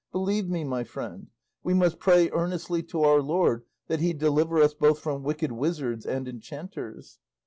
Believe me, my friend, we must pray earnestly to our Lord that he deliver us both from wicked wizards and enchanters."